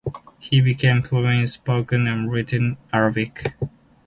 He became fluent in spoken and written Arabic.